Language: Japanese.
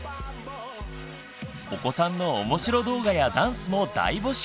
お子さんのおもしろ動画やダンスも大募集！